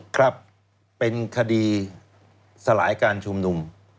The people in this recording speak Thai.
ครับเป็นคดีสลายการชุมนุม